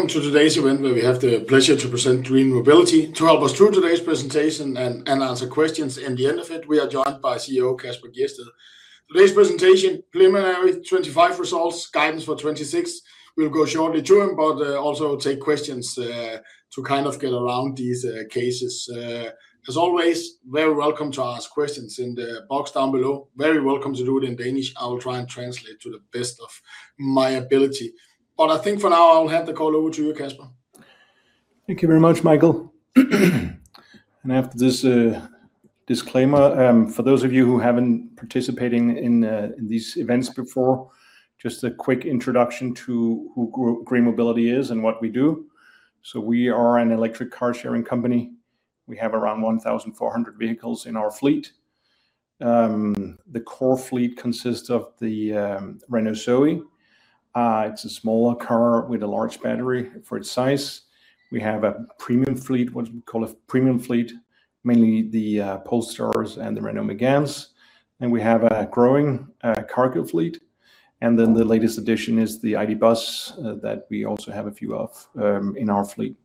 Welcome to today's event, where we have the pleasure to present GreenMobility. To help us through today's presentation and answer questions in the end of it, we are joined by CEO Kasper Gjedsted. Today's presentation, preliminary 2025 results, guidance for 2026. We'll go shortly through them, but also take questions to kind of get around these cases. As always, very welcome to ask questions in the box down below. Very welcome to do it in Danish. I will try and translate to the best of my ability, but I think for now, I'll hand the call over to you, Kasper. Thank you very much, Michael. I have this disclaimer for those of you who haven't participated in these events before, just a quick introduction to who GreenMobility is and what we do. So we are an electric car-sharing company. We have around 1,400 vehicles in our fleet. The core fleet consists of the Renault Zoe. It's a smaller car with a large battery for its size. We have a premium fleet, what we call a premium fleet, mainly the Polestars and the Renault Mégane, and we have a growing cargo fleet. Then the latest addition is the ID. Buzz that we also have a few of in our fleet.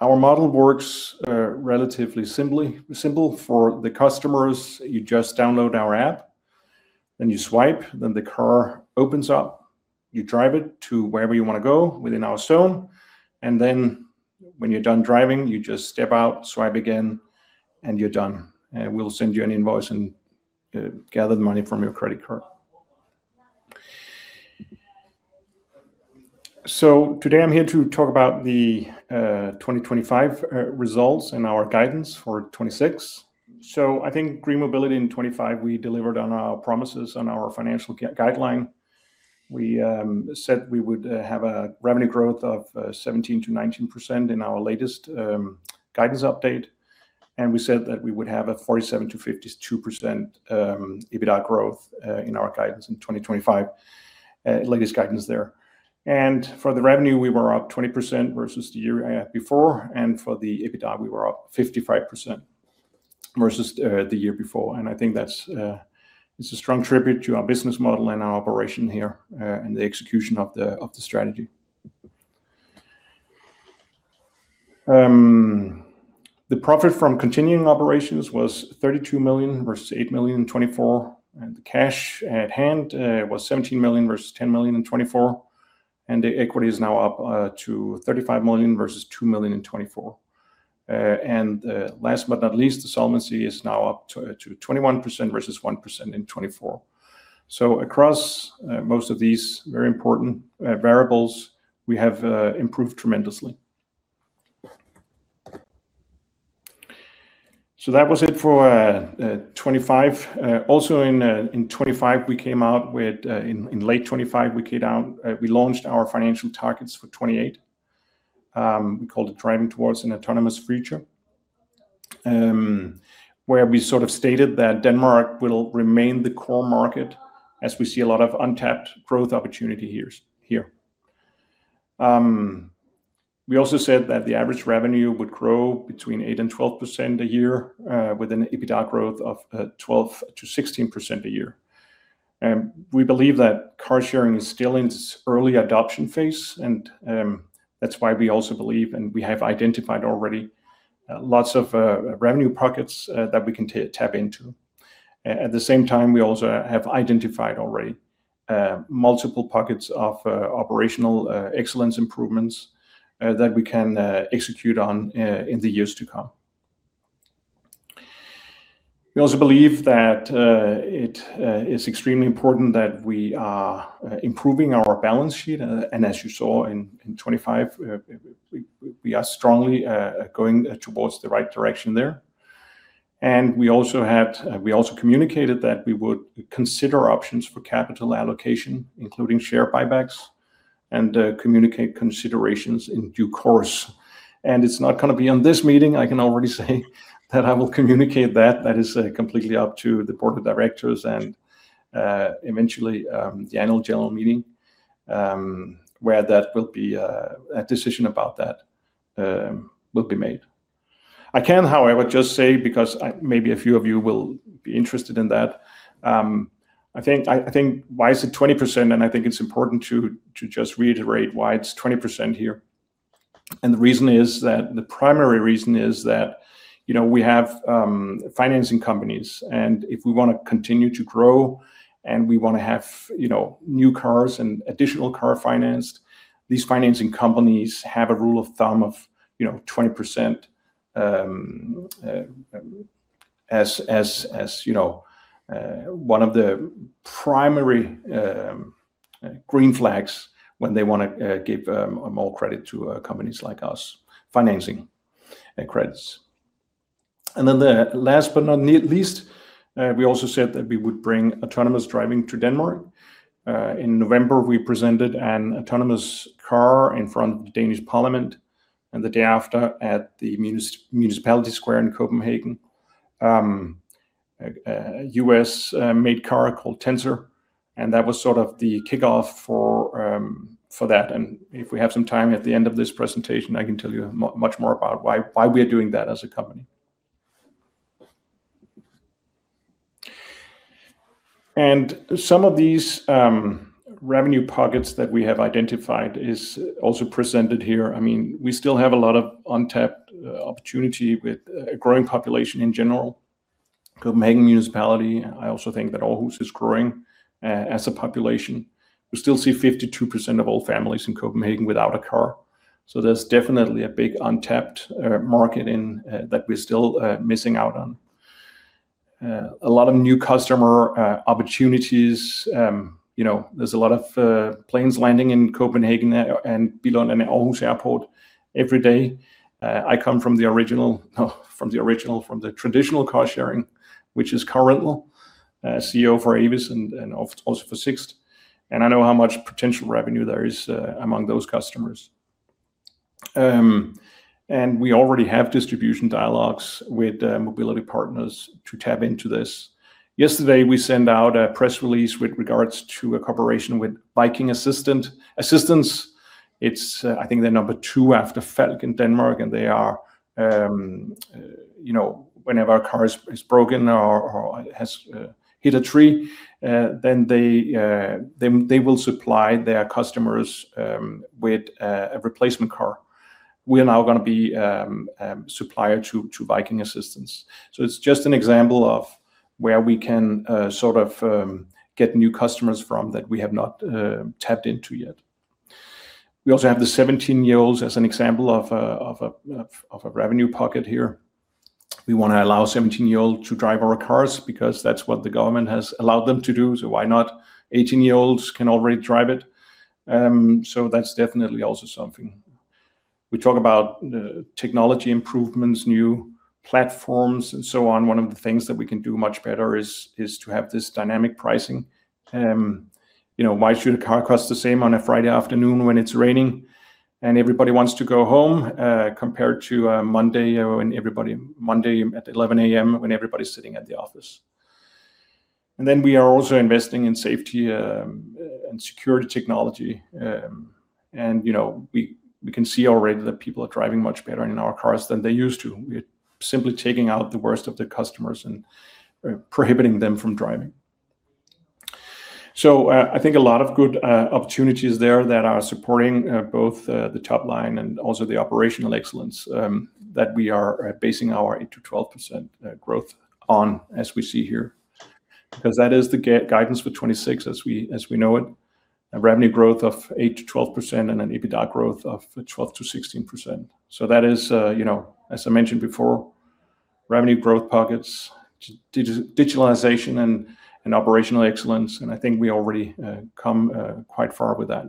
Our model works relatively simple for the customers. You just download our app, then you swipe, then the car opens up. You drive it to wherever you wanna go within our zone, and then when you're done driving, you just step out, swipe again, and you're done, and we'll send you an invoice and gather the money from your credit card. So today I'm here to talk about the 2025 results and our guidance for 2026. So I think Green Mobility in 2025, we delivered on our promises on our financial guideline. We said we would have a revenue growth of 17%-19% in our latest guidance update, and we said that we would have a 47%-52% EBITDA growth in our guidance in 2025 latest guidance there. And for the revenue, we were up 20% versus the year before, and for the EBITDA, we were up 55% versus the year before. And I think that's, it's a strong tribute to our business model and our operation here, and the execution of the strategy. The profit from continuing operations was 32 million versus 8 million in 2024, and the cash at hand was 17 million versus 10 million in 2024, and the equity is now up to 35 million versus 2 million in 2024. And, last but not least, the solvency is now up to 21% versus 1% in 2024. So across most of these very important variables, we have improved tremendously. So that was it for 2025. Also in 2025, we launched our financial targets for 2028. We called it Driving Towards an Autonomous Future, where we sort of stated that Denmark will remain the core market as we see a lot of untapped growth opportunity here. We also said that the average revenue would grow between 8% and 12% a year, with an EBITDA growth of 12%-16% a year. We believe that car sharing is still in its early adoption phase, and that's why we also believe, and we have identified already lots of revenue pockets that we can tap into. At the same time, we also have identified already multiple pockets of operational excellence improvements that we can execute on in the years to come. We also believe that it is extremely important that we are improving our balance sheet, and as you saw in 2025, we are strongly going towards the right direction there. We also communicated that we would consider options for capital allocation, including share buybacks and communicate considerations in due course. It's not gonna be on this meeting, I can already say that I will communicate that. That is completely up to the board of directors and eventually the annual general meeting where that will be a decision about that will be made. I can, however, just say, because maybe a few of you will be interested in that, I think, I think why is it 20%? And I think it's important to just reiterate why it's 20% here. And the reason is that, the primary reason is that, you know, we have financing companies, and if we wanna continue to grow, and we wanna have, you know, new cars and additional car financed, these financing companies have a rule of thumb of, you know, 20%, as, as, as, you know, one of the primary green flags when they wanna give more credit to companies like us, financing and credits. And then the last but not least, we also said that we would bring autonomous driving to Denmark. In November, we presented an autonomous car in front of the Danish parliament, and the day after, at the Municipality Square in Copenhagen, a US-made car called Tesla, and that was sort of the kickoff for that. And if we have some time at the end of this presentation, I can tell you much more about why, why we are doing that as a company. Some of these revenue pockets that we have identified is also presented here. I mean, we still have a lot of untapped opportunity with a growing population in general. Copenhagen Municipality, I also think that Aarhus is growing as a population. We still see 52% of all families in Copenhagen without a car, so there's definitely a big untapped market in that we're still missing out on. A lot of new customer opportunities, you know, there's a lot of planes landing in Copenhagen and Billund and Aarhus Airport every day. I come from the traditional car sharing, which is car rental, CEO for Avis and also for Sixt, and I know how much potential revenue there is among those customers. And we already have distribution dialogues with mobility partners to tap into this. Yesterday, we sent out a press release with regards to a cooperation with Viking Assistance. It's, I think they're number two after Falck in Denmark, and they are, you know, whenever a car is broken or has hit a tree, then they will supply their customers with a replacement car. We're now gonna be supplier to Viking Assistance. So it's just an example of where we can sort of get new customers from that we have not tapped into yet. We also have the 17-year-olds as an example of a revenue pocket here. We want to allow 17-year-old to drive our cars because that's what the government has allowed them to do, so why not? 18-year-olds can already drive it. So that's definitely also something. We talk about technology improvements, new platforms, and so on. One of the things that we can do much better is to have this dynamic pricing. You know, why should a car cost the same on a Friday afternoon when it's raining and everybody wants to go home, compared to a Monday, when everybody-- Monday at 11:00 A.M. when everybody's sitting at the office? And then we are also investing in safety, and security technology. And, you know, we, we can see already that people are driving much better in our cars than they used to. We're simply taking out the worst of the customers and prohibiting them from driving. So, I think a lot of good opportunities there that are supporting both the top line and also the operational excellence that we are basing our 8%-12% growth on, as we see here. Because that is the guidance for 2026, as we know it, a revenue growth of 8%-12% and an EBITDA growth of 12%-16%. So that is, you know, as I mentioned before, revenue growth pockets, digitalization, and operational excellence, and I think we already come quite far with that.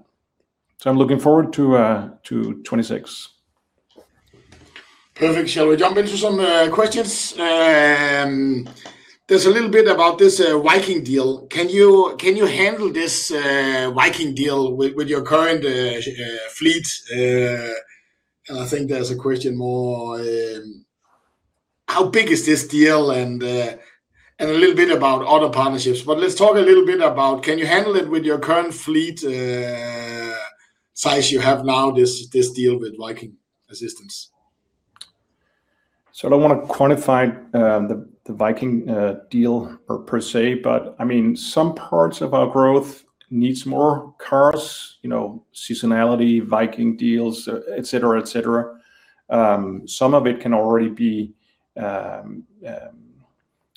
So I'm looking forward to 2026. Perfect. Shall we jump into some questions? There's a little bit about this Viking deal. Can you handle this Viking deal with your current fleet? And I think there's a question more how big is this deal? And a little bit about other partnerships, but let's talk a little bit about can you handle it with your current fleet size you have now, this deal with Viking Assistance? So I don't want to quantify, the, the Viking, deal or per se, but I mean, some parts of our growth needs more cars, you know, seasonality, Viking deals, et cetera, et cetera. Some of it can already be,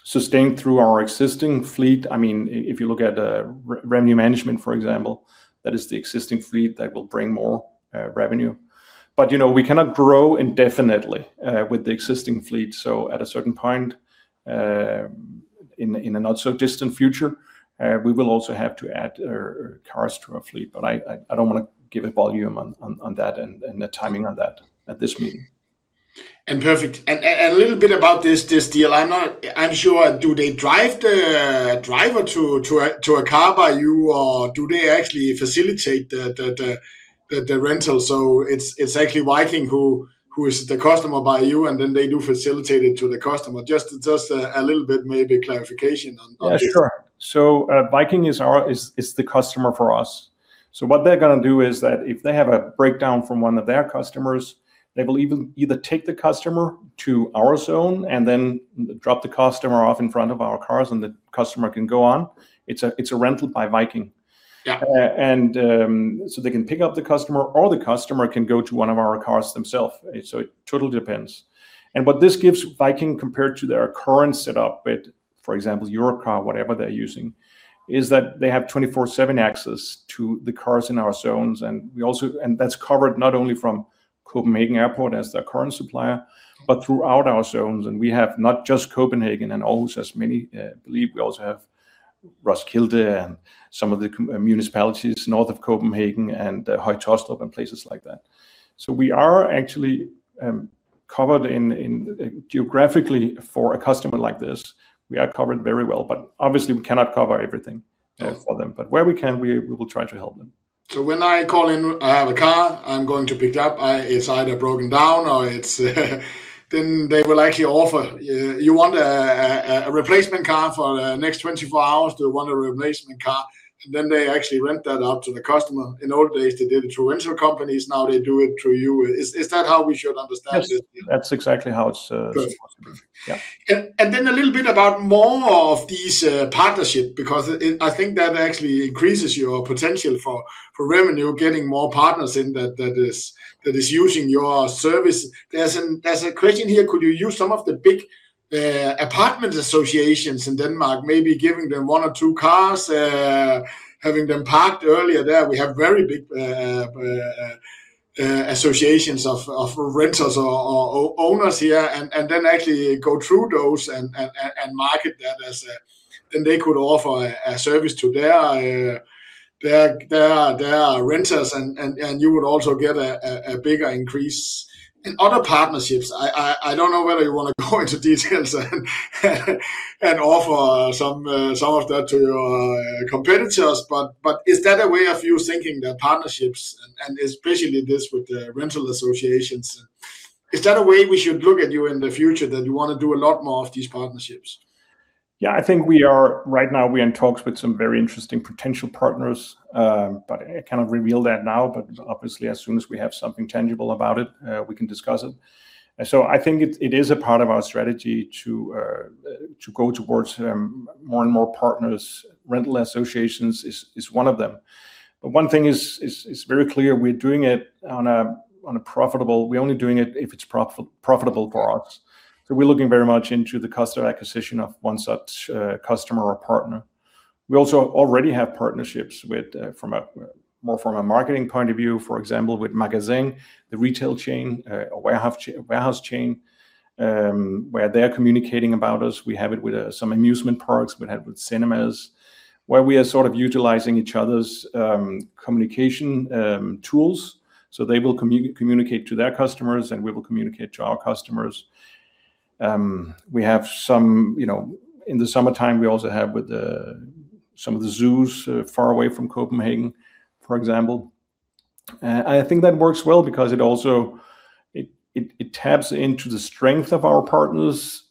sustained through our existing fleet. I mean, if you look at, revenue management, for example, that is the existing fleet that will bring more, revenue. But, you know, we cannot grow indefinitely, with the existing fleet, so at a certain point, in a, in a not so distant future, we will also have to add, cars to our fleet. But I don't want to give a volume on that and the timing on that at this meeting. And perfect. A little bit about this deal, I'm not sure, do they drive the driver to a car by you, or do they actually facilitate the rental? So it's actually Viking who is the customer by you, and then they do facilitate it to the customer. Just a little bit maybe clarification on this. Yeah, sure. So, Viking is our customer for us. So what they're gonna do is that if they have a breakdown from one of their customers, they will either take the customer to our zone and then drop the customer off in front of our cars, and the customer can go on. It's a rental by Viking. Yeah. So they can pick up the customer, or the customer can go to one of our cars themselves. So it totally depends. What this gives Viking compared to their current setup with, for example, Europcar, whatever they're using, is that they have 24/7 access to the cars in our zones, and that's covered not only from Copenhagen Airport as their current supplier, but throughout our zones. We have not just Copenhagen and Aarhus, as many believe, we also have Roskilde and some of the municipalities north of Copenhagen and Høje-Taastrup and places like that. So we are actually covered geographically for a customer like this, we are covered very well, but obviously we cannot cover everything. Yeah... for them. But where we can, we, we will try to help them.... So when I call in, I have a car I'm going to pick up. It's either broken down or it's then they will actually offer you want a replacement car for the next 24 hours? Do you want a replacement car, and then they actually rent that out to the customer. In old days, they did it through rental companies, now they do it through you. Is that how we should understand it? Yes, that's exactly how it's possible. Good. Yeah. Then a little bit about more of these partnerships, because I think that actually increases your potential for revenue, getting more partners in that that is using your service. There's a question here: Could you use some of the big apartment associations in Denmark, maybe giving them one or two cars, having them parked earlier there? We have very big associations of renters or owners here, and then actually go through those and market that as a... Then they could offer a service to their renters and you would also get a bigger increase in other partnerships. I don't know whether you wanna go into details and offer some of that to your competitors, but is that a way of you thinking, the partnerships, and especially this with the rental associations? Is that a way we should look at you in the future, that you wanna do a lot more of these partnerships? Yeah, I think we are right now, we're in talks with some very interesting potential partners. But I cannot reveal that now, but obviously, as soon as we have something tangible about it, we can discuss it. And so I think it is a part of our strategy to go towards more and more partners. Rental associations is one of them. But one thing is very clear, we're doing it on a profitable. We're only doing it if it's profitable for us. So we're looking very much into the customer acquisition of one such customer or partner. We also already have partnerships with, from a marketing point of view, for example, with Magasin, the retail chain, or warehouse chain, where they're communicating about us. We have it with some amusement parks, we have it with cinemas, where we are sort of utilizing each other's communication tools. So they will communicate to their customers, and we will communicate to our customers. We have some, you know, in the summertime, we also have with some of the zoos far away from Copenhagen, for example. And I think that works well because it also taps into the strength of our partners'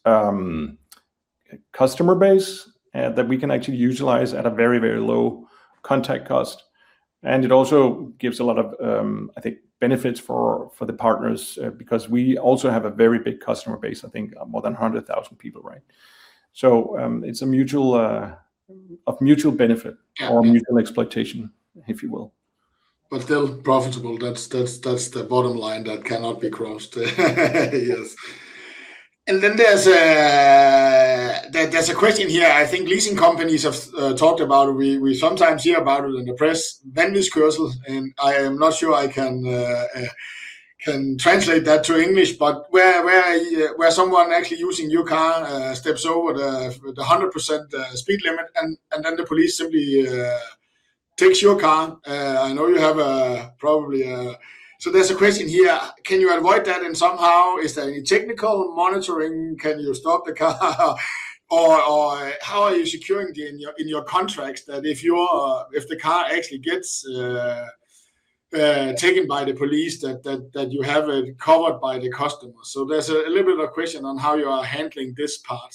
customer base that we can actually utilize at a very, very low contact cost. And it also gives a lot of, I think, benefits for the partners because we also have a very big customer base, I think more than 100,000 people, right? So it's a mutual of mutual benefit- Yeah... or mutual exploitation, if you will. But still profitable, that's the bottom line that cannot be crossed. Yes. And then there's a question here, I think leasing companies have talked about, we sometimes hear about it in the press, vanvidskørsel, and I am not sure I can translate that to English, but where someone actually using your car steps over the 100% speed limit, and then the police simply takes your car. I know you have a probably. So there's a question here, can you avoid that somehow? Is there any technical monitoring? Can you stop the car? Or how are you securing in your contracts that if the car actually gets taken by the police, that you have it covered by the customer? There's a little bit of a question on how you are handling this part.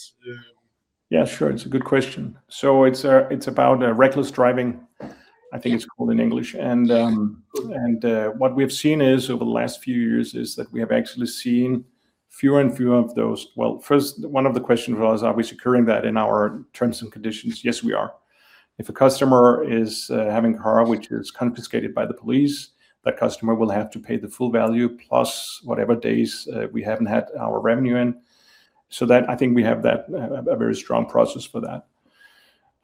Yeah, sure. It's a good question. So it's, it's about, reckless driving- Yeah... I think it's called in English. What we have seen is, over the last few years, that we have actually seen fewer and fewer of those. Well, first, one of the questions was, are we securing that in our terms and conditions? Yes, we are. If a customer is having a car which is confiscated by the police, that customer will have to pay the full value, plus whatever days we haven't had our revenue in. So that, I think we have that, a very strong process for that.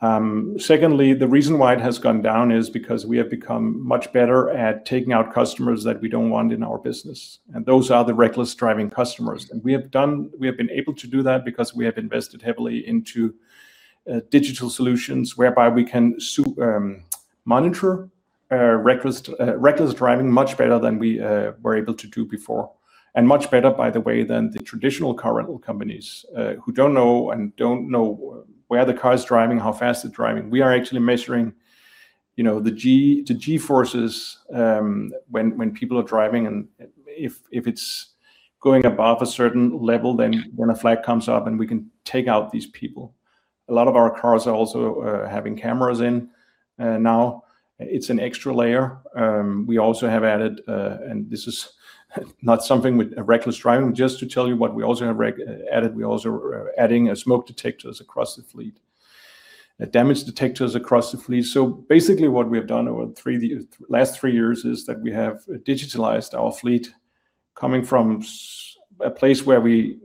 Secondly, the reason why it has gone down is because we have become much better at taking out customers that we don't want in our business, and those are the reckless driving customers. We have done—we have been able to do that because we have invested heavily into digital solutions, whereby we can monitor reckless, reckless driving much better than we were able to do before. And much better, by the way, than the traditional car rental companies, who don't know and don't know where the car is driving, how fast they're driving. We are actually measuring, you know, the G, the G-forces, when, when people are driving, and if, if it's going above a certain level, then when a flag comes up, and we can take out these people. A lot of our cars are also having cameras in now. It's an extra layer. We also have added, and this is not something with reckless driving, just to tell you what we also have added. We're also adding smoke detectors across the fleet, damage detectors across the fleet. So basically, what we have done over three years, last three years, is that we have digitalized our fleet, coming from a place where we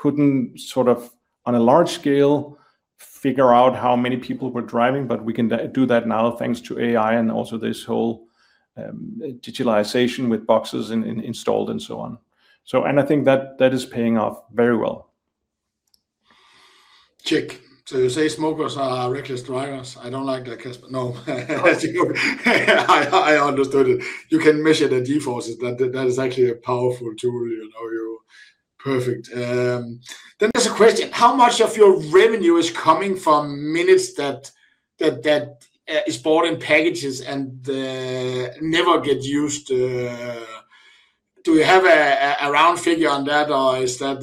couldn't sort of, on a large scale, figure out how many people were driving, but we can do that now thanks to AI and also this whole digitalization with boxes installed and so on. So, and I think that is paying off very well. Check. So you say smokers are reckless drivers? I don't like that, Kasper. No. No. I understood it. You can measure the G-forces, that is actually a powerful tool, you know. Perfect. Then there's a question, how much of your revenue is coming from minutes that is bought in packages and never get used? Do we have a round figure on that, or is that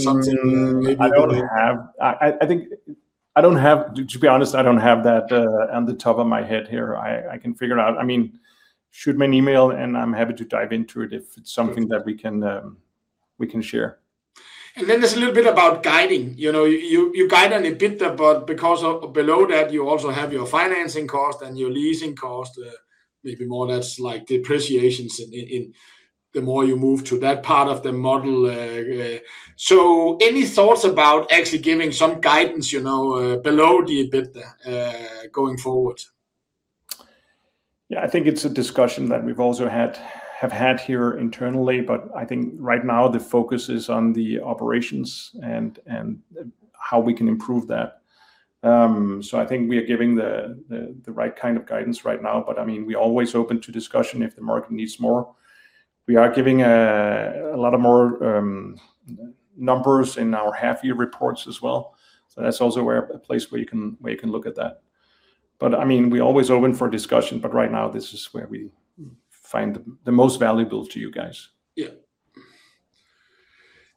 something maybe- To be honest, I don't have that on the top of my head here. I can figure it out. I mean, shoot me an email, and I'm happy to dive into it if it's something that we can, we can share. And then there's a little bit about guidance. You know, you guided a bit, but because of that, below that, you also have your financing cost and your leasing cost. Maybe more or less like depreciations in the more you move to that part of the model. So any thoughts about actually giving some guidance, you know, below the EBITDA, going forward? Yeah, I think it's a discussion that we've also had, have had here internally, but I think right now the focus is on the operations and how we can improve that. So I think we are giving the right kind of guidance right now, but, I mean, we're always open to discussion if the market needs more. We are giving a lot more numbers in our half-year reports as well, so that's also a place where you can look at that. But, I mean, we're always open for discussion, but right now this is where we find the most valuable to you guys. Yeah.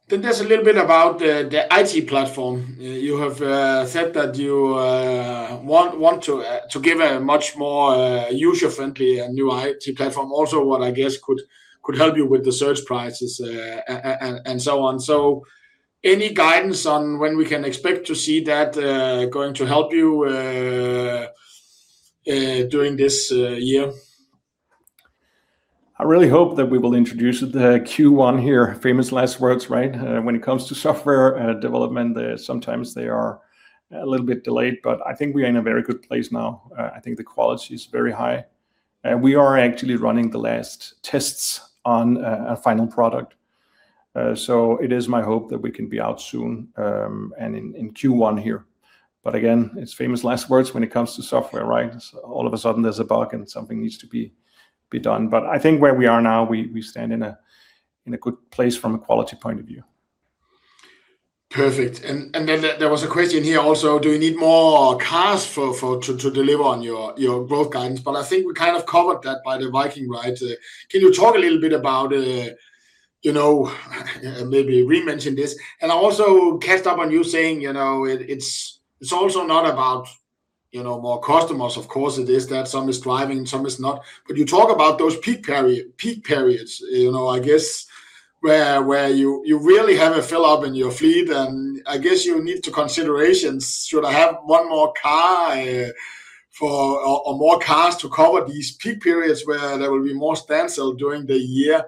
Then there's a little bit about the IT platform. You have said that you want to give a much more user-friendly and new IT platform. Also, what I guess could help you with the surge prices and so on. So any guidance on when we can expect to see that going to help you during this year? I really hope that we will introduce it in Q1 here. Famous last words, right? When it comes to software development, they sometimes are a little bit delayed, but I think we are in a very good place now. I think the quality is very high, and we are actually running the last tests on a final product. So it is my hope that we can be out soon, and in Q1 here. But again, it's famous last words when it comes to software, right? All of a sudden there's a bug and something needs to be done. But I think where we are now, we stand in a good place from a quality point of view. Perfect. And then there was a question here also, do you need more cars for to deliver on your growth guidance? But I think we kind of covered that by the Viking, right? Can you talk a little bit about, you know, maybe remention this, and I also caught up on you saying, you know, it's also not about, you know, more customers. Of course, it is that some is driving, some is not. You talk about those peak periods, you know, I guess, where you really have a fill up in your fleet, and I guess you need considerations, "Should I have one more car, or more cars to cover these peak periods where there will be more standstill during the year?"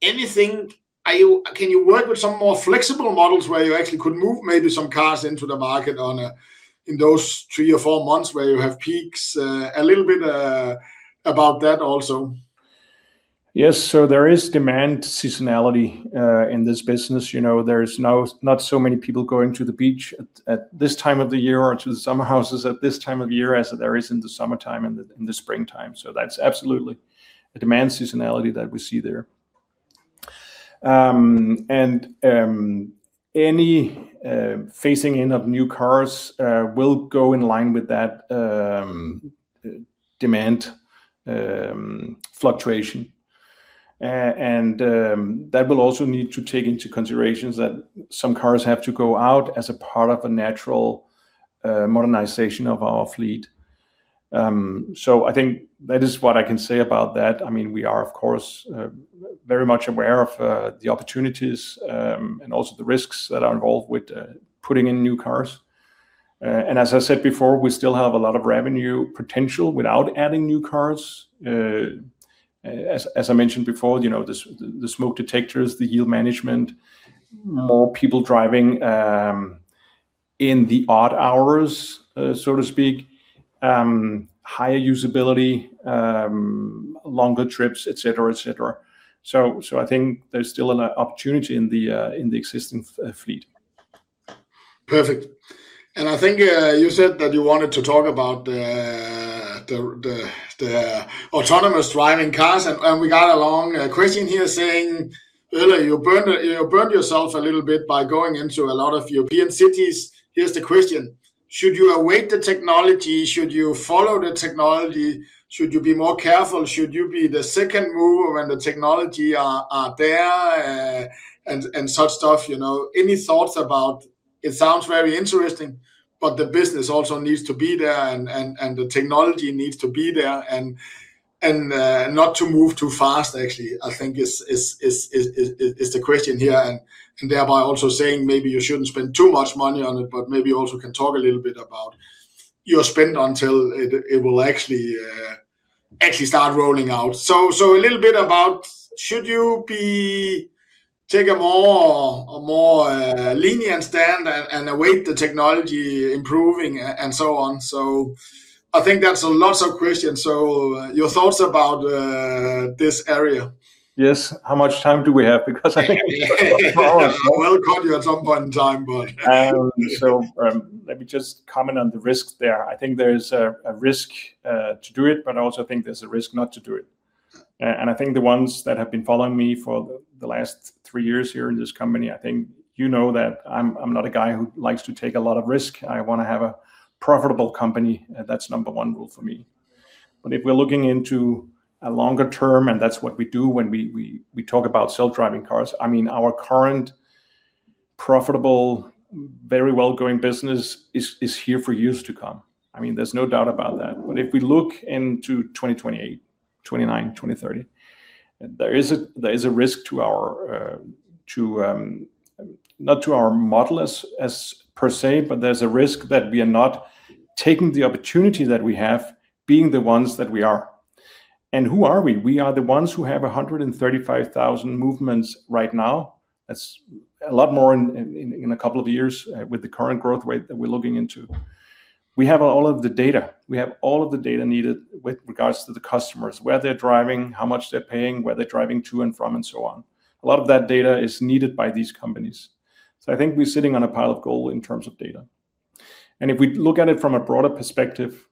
Anything, can you work with some more flexible models where you actually could move maybe some cars into the market on a, in those three or four months where you have peaks? A little bit about that also. Yes, so there is demand seasonality in this business. You know, there's now not so many people going to the beach at this time of the year or to the summer houses at this time of year as there is in the summertime and in the springtime. So that's absolutely a demand seasonality that we see there. And any phasing in of new cars will go in line with that demand fluctuation. And that will also need to take into considerations that some cars have to go out as a part of a natural modernization of our fleet. So I think that is what I can say about that. I mean, we are, of course, very much aware of the opportunities and also the risks that are involved with putting in new cars. And as I said before, we still have a lot of revenue potential without adding new cars. As I mentioned before, you know, the smoke detectors, the yield management, more people driving in the odd hours, so to speak, higher usability, longer trips, et cetera, et cetera. So I think there's still an opportunity in the existing fleet. Perfect. And I think you said that you wanted to talk about the autonomous driving cars, and we got a long question here saying, "Ole, you burned yourself a little bit by going into a lot of European cities." Here's the question: Should you await the technology? Should you follow the technology? Should you be more careful? Should you be the second mover when the technology are there, and such stuff, you know? Any thoughts about... It sounds very interesting, but the business also needs to be there, and the technology needs to be there, and not to move too fast, actually, I think is the question here. Thereby also saying maybe you shouldn't spend too much money on it, but maybe you also can talk a little bit about your spend until it will actually start rolling out. So a little bit about should you take a more lenient stand and await the technology improving and so on? So I think that's a lot of questions. So your thoughts about this area? Yes. How much time do we have? Because I think we have a lot more- We'll cut you at some point in time, but- So, let me just comment on the risks there. I think there is a risk to do it, but I also think there's a risk not to do it. I think the ones that have been following me for the last three years here in this company, I think you know that I'm not a guy who likes to take a lot of risk. I wanna have a profitable company, and that's number one rule for me. But if we're looking into a longer term, and that's what we do when we talk about self-driving cars, I mean, our current profitable, very well-going business is here for years to come. I mean, there's no doubt about that. But if we look into 2028, 2029, 2030, there is a risk to our, not to our model as per se, but there's a risk that we are not taking the opportunity that we have, being the ones that we are. And who are we? We are the ones who have 135,000 movements right now. That's a lot more in a couple of years with the current growth rate that we're looking into. We have all of the data. We have all of the data needed with regards to the customers, where they're driving, how much they're paying, where they're driving to and from, and so on. A lot of that data is needed by these companies, so I think we're sitting on a pile of gold in terms of data. If we look at it from a broader perspective,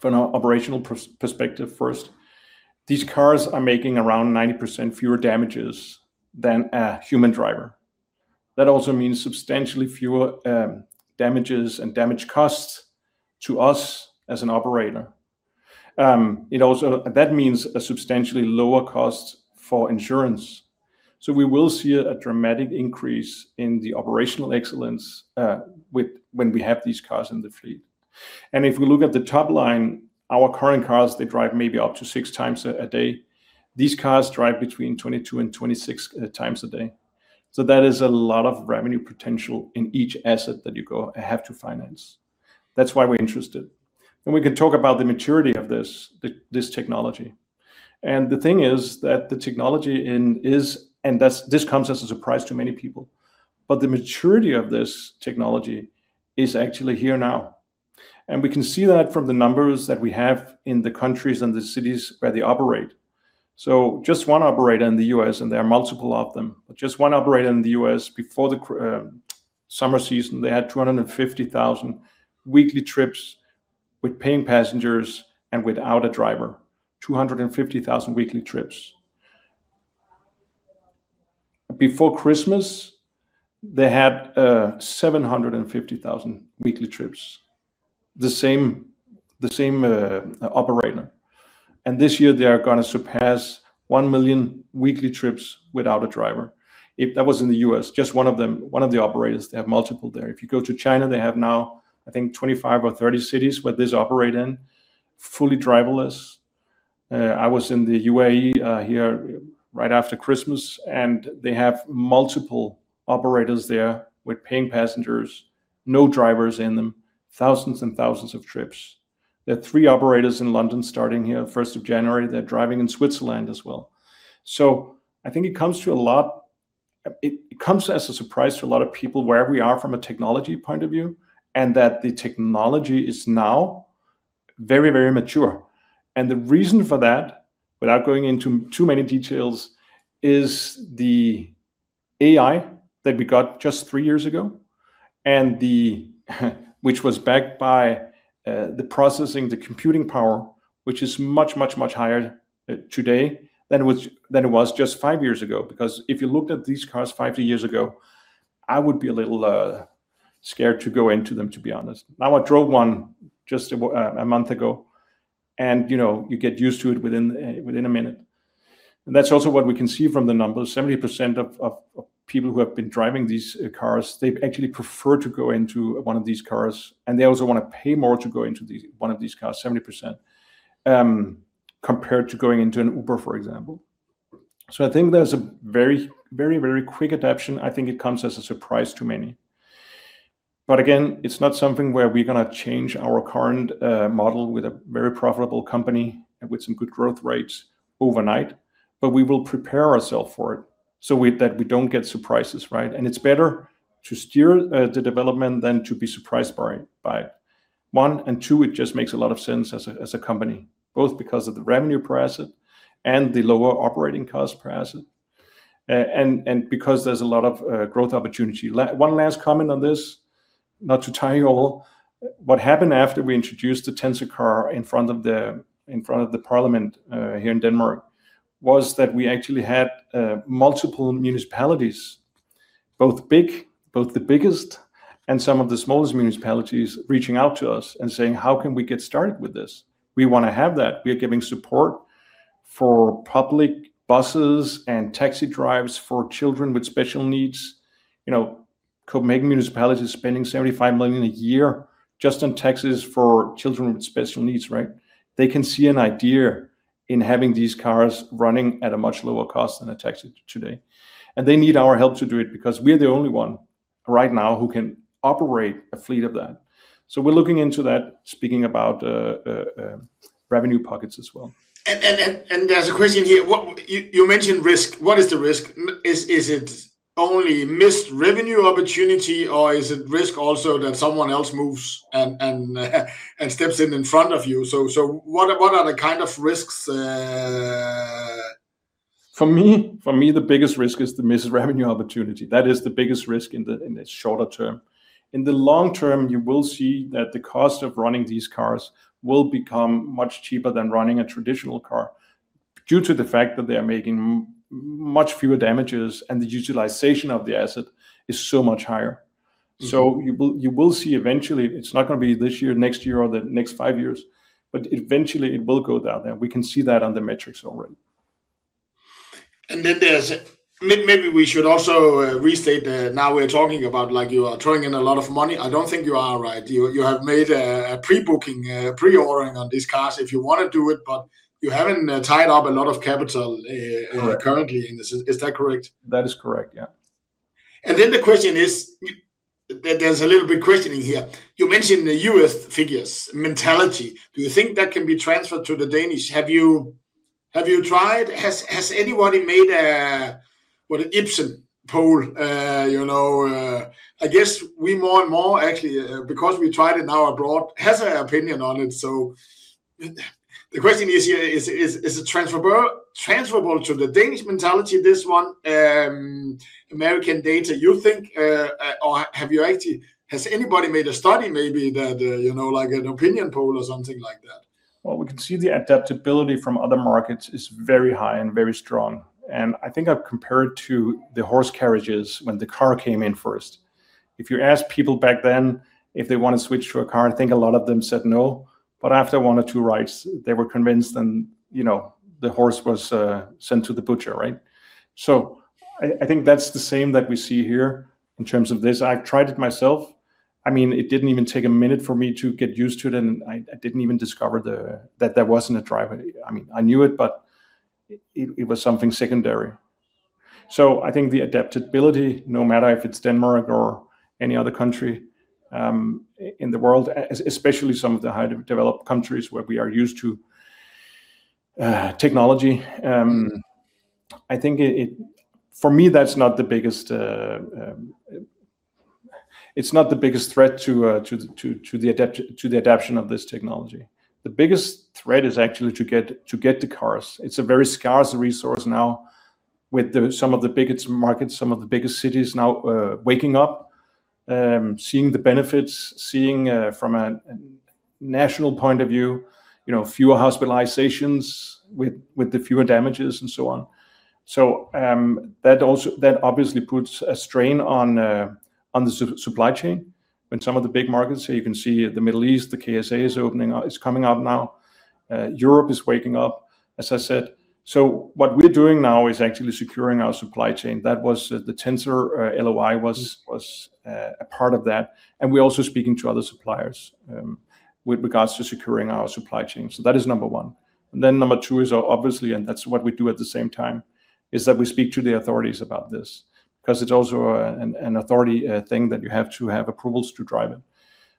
from an operational perspective first, these cars are making around 90% fewer damages than a human driver. That also means substantially fewer damages and damage costs to us as an operator. That means a substantially lower cost for insurance. So we will see a dramatic increase in the operational excellence when we have these cars in the fleet. If we look at the top line, our current cars, they drive maybe up to 6 times a day. These cars drive between 22 and 26 times a day. So that is a lot of revenue potential in each asset that you have to finance. That's why we're interested. We can talk about the maturity of this technology. The thing is that the technology is, and that's... This comes as a surprise to many people, but the maturity of this technology is actually here now, and we can see that from the numbers that we have in the countries and the cities where they operate. So just one operator in the U.S., and there are multiple of them, but just one operator in the U.S., before the summer season, they had 250,000 weekly trips with paying passengers and without a driver, 250,000 weekly trips. Before Christmas, they had 750,000 weekly trips, the same, the same operator. And this year they are gonna surpass 1 million weekly trips without a driver. That was in the U.S., just one of them, one of the operators. They have multiple there. If you go to China, they have now, I think, 25 or 30 cities where this operate in, fully driverless. I was in the UAE, here right after Christmas, and they have multiple operators there with paying passengers, no drivers in them, thousands and thousands of trips. There are three operators in London starting here 1st of January. They're driving in Switzerland as well. So I think it comes as a surprise to a lot of people where we are from a technology point of view, and that the technology is now very, very mature. The reason for that, without going into too many details, is the AI that we got just 3 years ago, and the which was backed by the processing, the computing power, which is much, much, much higher today than it was, than it was just 5 years ago. Because if you looked at these cars 5, 6 years ago, I would be a little scared to go into them, to be honest. Now, I drove one just a month ago and, you know, you get used to it within a minute. And that's also what we can see from the numbers. 70% of people who have been driving these cars, they've actually preferred to go into one of these cars, and they also wanna pay more to go into one of these cars, 70%, compared to going into an Uber, for example. So I think there's a very, very, very quick adaptation. I think it comes as a surprise to many. But again, it's not something where we're gonna change our current model with a very profitable company and with some good growth rates overnight. But we will prepare ourselves for it, so that we don't get surprises, right? And it's better to steer the development than to be surprised by it, one. And two, it just makes a lot of sense as a company, both because of the revenue per asset and the lower operating cost per asset, and, and because there's a lot of growth opportunity. One last comment on this, not to tire you all. What happened after we introduced the Tesla car in front of the parliament here in Denmark was that we actually had multiple municipalities, both big, both the biggest and some of the smallest municipalities, reaching out to us and saying, "How can we get started with this? We wanna have that." We are giving support for public buses and taxi drives for children with special needs. You know, Copenhagen Municipality is spending 75 million a year just on taxis for children with special needs, right? They can see an idea in having these cars running at a much lower cost than a taxi today, and they need our help to do it, because we're the only one right now who can operate a fleet of that. So we're looking into that, speaking about revenue pockets as well. There's a question here. What you mentioned risk. What is the risk? Is it only missed revenue opportunity, or is it risk also that someone else moves and steps in in front of you? So what are the kind of risks? For me, the biggest risk is the missed revenue opportunity. That is the biggest risk in the shorter term. In the long term, you will see that the cost of running these cars will become much cheaper than running a traditional car, due to the fact that they are making much fewer damages and the utilization of the asset is so much higher. Mm. You will, you will see eventually, it's not gonna be this year, next year, or the next five years, but eventually it will go down there. We can see that on the metrics already. And then maybe we should also restate that now we're talking about like you are throwing in a lot of money. I don't think you are, right? You, you have made a pre-booking, a pre-ordering on these cars if you wanna do it, but you haven't tied up a lot of capital. Correct... currently in this. Is that correct? That is correct, yeah. And then the question is, there's a little bit questioning here. You mentioned the U.S. figures, mentality. Do you think that can be transferred to the Danish? Have you tried—has anybody made a, what, an Ipsos poll? You know, I guess we more and more actually, because we tried it now abroad, has an opinion on it. So the question is, is it transferable to the Danish mentality, this one, American data, you think? Or have you actually—has anybody made a study maybe that, you know, like an opinion poll or something like that? Well, we can see the adaptability from other markets is very high and very strong, and I think I've compared to the horse carriages when the car came in first. If you asked people back then if they wanna switch to a car, I think a lot of them said no, but after one or two rides, they were convinced, and, you know, the horse was sent to the butcher, right? So I think that's the same that we see here in terms of this. I've tried it myself. I mean, it didn't even take a minute for me to get used to it, and I didn't even discover that there wasn't a driver. I mean, I knew it, but it was something secondary. So I think the adaptability, no matter if it's Denmark or any other country, in the world, especially some of the highly developed countries where we are used to, technology, I think it. For me, that's not the biggest, it's not the biggest threat to, to the adaption of this technology. The biggest threat is actually to get, to get the cars. It's a very scarce resource now with the, some of the biggest markets, some of the biggest cities now, waking up, seeing the benefits, seeing, from a, a national point of view, you know, fewer hospitalizations with, with the fewer damages, and so on. So, that also, that obviously puts a strain on the supply chain when some of the big markets, so you can see the Middle East, the KSA is opening up, is coming up now. Europe is waking up, as I said. So what we're doing now is actually securing our supply chain. That was the Tesla LOI was a part of that, and we're also speaking to other suppliers with regards to securing our supply chain. So that is number one. And then number two is obviously, and that's what we do at the same time, is that we speak to the authorities about this. 'Cause it's also an authority thing, that you have to have approvals to drive it.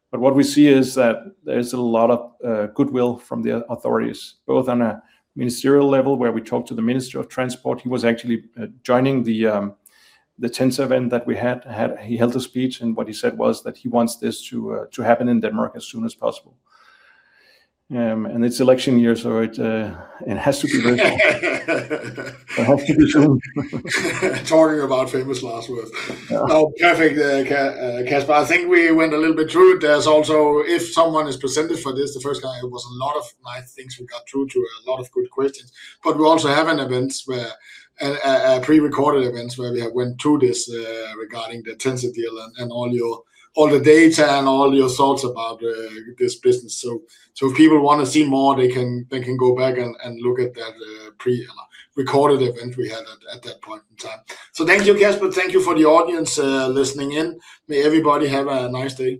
But what we see is that there's a lot of goodwill from the authorities, both on a ministerial level, where we talked to the Minister of Transport. He was actually joining the Tesla event that we had. He held a speech, and what he said was that he wants this to happen in Denmark as soon as possible. And it's election year, so it has to be very soon. It has to be soon. Talking about famous last words. Yeah. Oh, perfect, Kasper, I think we went a little bit through it. There's also, if someone is presented for this, the first time, it was a lot of nice things we got through to, a lot of good questions. But we also have an events where a pre-recorded events where we have went through this, regarding the Tesla deal and all the data and all your thoughts about this business. So if people wanna see more, they can go back and look at that pre-recorded event we had at that point in time. So thank you, Kasper. Thank you for the audience listening in. May everybody have a nice day.